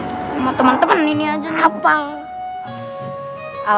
sama temen temen ini aja napal